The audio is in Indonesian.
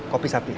kopi satu ya